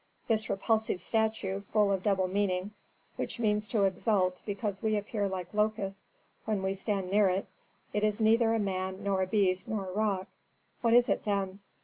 "This repulsive statue, full of double meaning, which seems to exult because we appear like locusts when we stand near it, it is neither a man nor a beast nor a rock What is it, then?